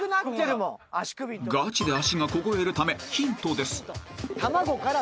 ［ガチで足が凍えるためヒントです］